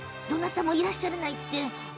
どなたもいらっしゃらない。